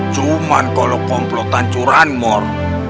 cuman kalau komplotan curang mor